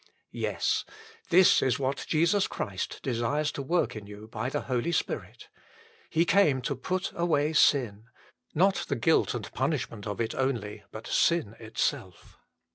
Yes : this is what Jesus Christ desires to work in you by the Holy Spirit. He came to put away sin ; not the guilt and punishment of it only, but sin itself.